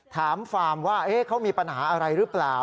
ฟาร์มว่าเขามีปัญหาอะไรหรือเปล่า